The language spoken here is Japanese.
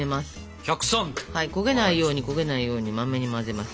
焦げないように焦げないようにマメに混ぜます。